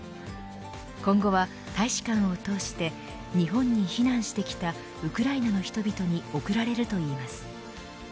今後は大使館を通して日本に避難してきたウクライナの人々に贈られるといいます。